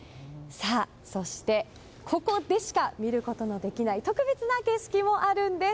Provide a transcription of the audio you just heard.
そしてここでしか見ることのできない特別な景色もあるんです。